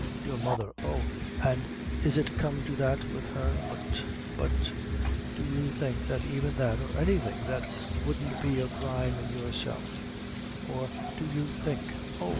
Your mother! Oh! an' is it come to that with her? But but do you think that even that, or anything that wouldn't be a crime in yourself; or, do you think; oh!